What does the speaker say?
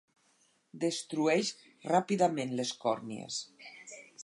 Destrueix ràpidament les còrnies.